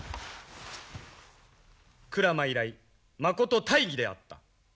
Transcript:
鞍馬以来まこと大儀であった。